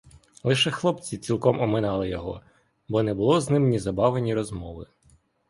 Лише хлопці цілком оминали його, бо не було з ним ні забави ні розмови.